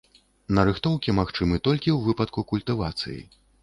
Нарыхтоўкі магчымы толькі ў выпадку культывацыі.